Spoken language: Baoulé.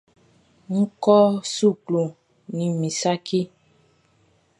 N kɔ suklu nin min saci.